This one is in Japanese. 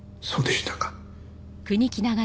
そうでしたか。